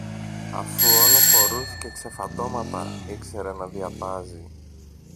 αφού όλο χορούς και ξεφαντώματα ήξερε να διατάζει